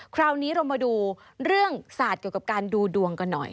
คราวนี้เรามาดูเรื่องศาสตร์เกี่ยวกับการดูดวงกันหน่อย